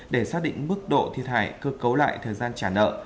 để xác định mức độ thiệt hại cơ cấu lại thời gian trả nợ